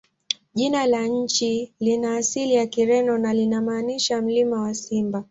Jina la nchi lina asili ya Kireno na linamaanisha "Mlima wa Simba".